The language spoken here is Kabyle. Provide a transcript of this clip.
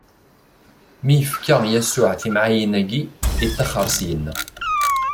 Mi yefka Yasuɛ timɛayin-agi, ittaxxeṛ syenna.